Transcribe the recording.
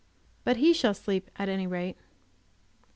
But he shall sleep at any rate.